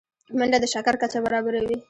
منډه د شکر کچه برابروي